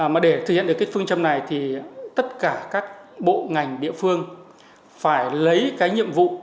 mà để thực hiện được cái phương châm này thì tất cả các bộ ngành địa phương phải lấy cái nhiệm vụ